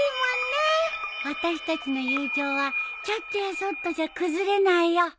私たちの友情はちょっとやそっとじゃ崩れないよ。